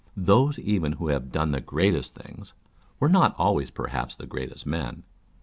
Those even who have done the greatest things, were not always perhaps the greatest men.